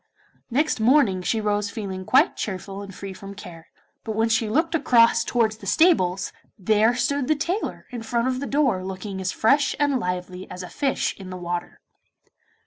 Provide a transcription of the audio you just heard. Next morning she rose feeling quite cheerful and free from care, but when she looked across towards the stables, there stood the tailor in front of the door looking as fresh and lively as a fish in the water.